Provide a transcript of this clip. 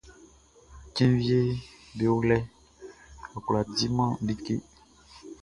Cɛn wieʼm be o lɛʼn, n kwlá diman like.